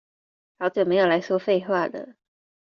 好久沒有來說廢話惹